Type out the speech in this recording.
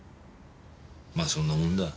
まそんなもんだ。